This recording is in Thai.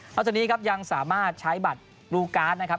แล้วจากนี้ครับยังสามารถใช้บัตรรูการ์ดนะครับ